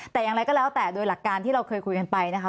แต่อย่างไรก็แล้วแต่โดยหลักการที่เราเคยคุยกันไปนะคะ